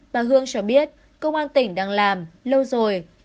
bà hương cho biết công an tỉnh đang làm lâu rồi